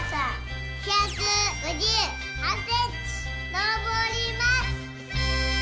のぼります！